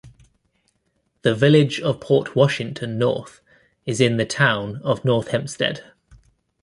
The Village of Port Washington North is in the Town of North Hempstead.